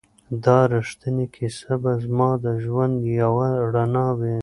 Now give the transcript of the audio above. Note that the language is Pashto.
دا ریښتینې کیسه به زما د ژوند یوه رڼا وي.